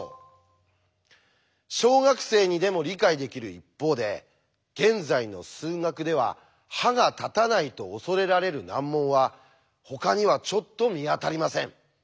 小学生にでも理解できる一方で現在の数学では歯が立たないと恐れられる難問はほかにはちょっと見当たりません。